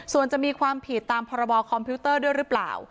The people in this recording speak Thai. ส่วนจะมีความผิดตามพรบคอมพิวเตอร์ด้วยหรือเปล่า